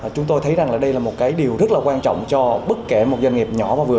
chúng tôi thấy rằng là đây là một cái điều rất là quan trọng cho bất kể một doanh nghiệp nhỏ và vừa